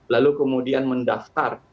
lalu kemudian mendaftar